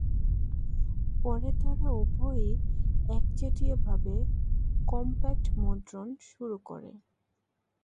পরে তারা উভয়ই একচেটিয়াভাবে কম্প্যাক্ট মুদ্রণ শুরু করে।